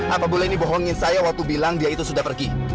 apa boleh ini bohongin saya waktu bilang dia itu sudah pergi